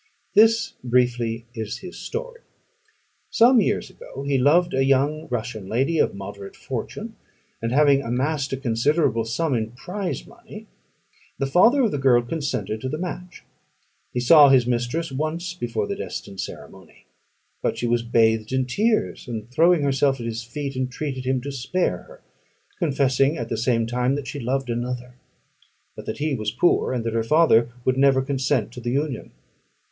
This, briefly, is his story. Some years ago, he loved a young Russian lady, of moderate fortune; and having amassed a considerable sum in prize money, the father of the girl consented to the match. He saw his mistress once before the destined ceremony; but she was bathed in tears, and, throwing herself at his feet, entreated him to spare her, confessing at the same time that she loved another, but that he was poor, and that her father would never consent to the union.